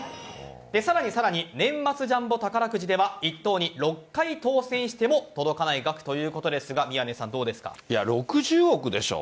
さらにさらに年末ジャンボ宝くじでは１等に６回当選しても届かない額ということですが６０億でしょ？